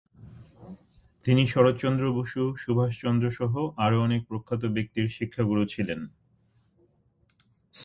তিনি শরৎচন্দ্র বসু, সুভাষচন্দ্রসহ আরও অনেক প্রখ্যাত ব্যক্তির শিক্ষাগুরু ছিলেন।